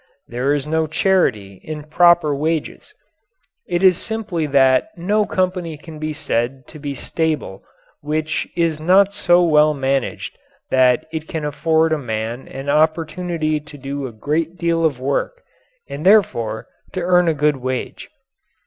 There is no charity in proper wages. It is simply that no company can be said to be stable which is not so well managed that it can afford a man an opportunity to do a great deal of work and therefore to earn a good wage.